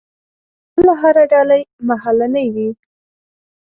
بله هره ډالۍ مهالنۍ وي.